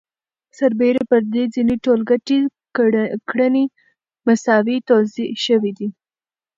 سربېره پر دې ځینې ټولګټې کړنې مساوي توزیع شوي دي